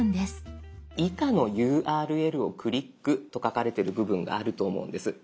「以下のＵＲＬをクリック」と書かれてる部分があると思うんです。